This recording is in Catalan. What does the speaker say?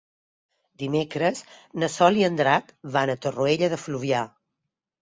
Dimecres na Sol i en Drac van a Torroella de Fluvià.